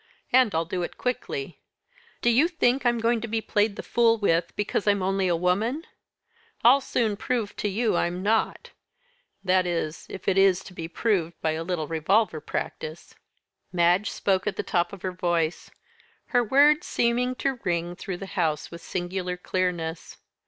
and I'll do it quickly! Do you think I'm going to be played the fool with because I'm only a woman! I'll soon prove to you I'm not that is, if it is to be proved by a little revolver practice." Madge spoke at the top of her voice, her words seeming to ring through the house with singular clearness.